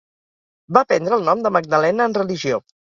Va prendre el nom de Magdalena en Religió.